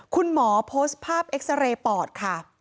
คุณหมอโพสต์ภาพเอ็กซาเรย์ปอดค่ะ